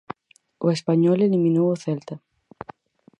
O Español eliminou ao Celta.